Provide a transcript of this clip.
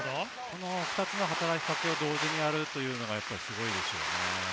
２つの働きかけを同時にやるというのがすごいですよね。